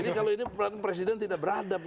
jadi kalau ini presiden tidak beradab